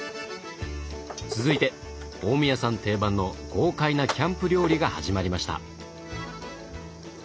続いて大宮さん定番の豪快なキャンプ料理が始まりました。